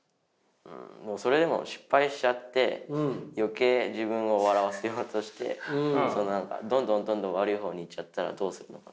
それでも失敗しちゃって余計自分を笑わせようとしてどんどんどんどん悪い方に行っちゃったらどうするのか？